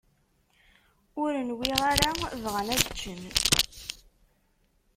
Ur nwiɣ ara bɣan ad ččen.